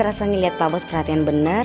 rasanya liat pak bos perhatian bener